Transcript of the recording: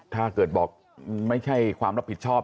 ถ้าเกิดบอกไม่ใช่ความรับผิดชอบ